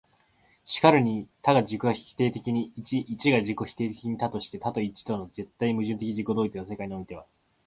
然るに多が自己否定的に一、一が自己否定的に多として、多と一との絶対矛盾的自己同一の世界においては、